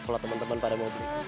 kalau teman teman pada mau beli